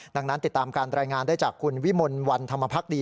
ดังนั้นติดตามการรายงานได้จากคุณวิมลวันธรรมพักดี